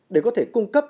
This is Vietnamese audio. để có thể cung cấp